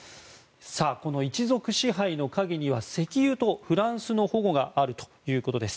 この一族支配の陰には石油とフランスの保護があるということです。